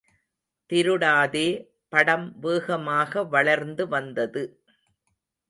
திருடாதே படம் வேகமாக வளர்ந்து வந்தது.